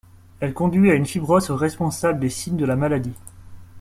Elle conduit à une fibrose responsable des signes de la maladie.